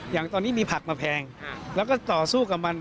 อย่างตอนนี้มีผักมาแพงแล้วก็ต่อสู้กับมัน